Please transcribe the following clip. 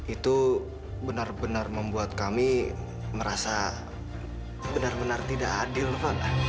itu benar benar membuat kami merasa benar benar tidak adil